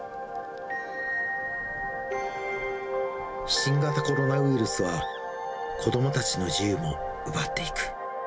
新型コロナウイルスは、子どもたちの自由も奪っていく。